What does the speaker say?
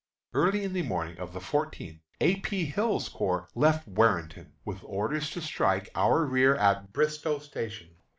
Early in the morning of the fourteenth A. P. Hill's corps left Warrenton, with orders to strike our rear at Bristoe Station.